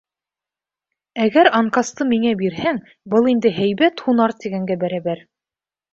Әгәр анкасты миңә бирһәң, был инде һәйбәт һунар тигәнгә бәрәбәр.